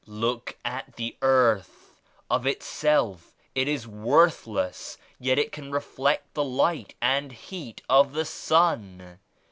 Look at the earth. Of itself it is worthless yet it can reflect the light and heat of the sun.